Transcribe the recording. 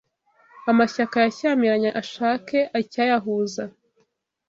Amashyaka yashyamiranye ashake icyayahuza